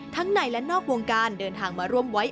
ในและนอกวงการเดินทางมาร่วมไว้